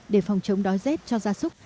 để phòng chống đói rét cho gia súc